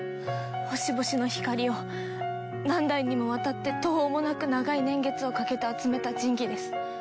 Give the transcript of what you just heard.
星々の光を何代にもわたって途方もなく長い年月をかけて集めた神器です。